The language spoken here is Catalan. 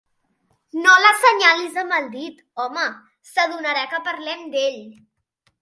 No l'assenyalis amb el dit, home: s'adonarà que parlem d'ell!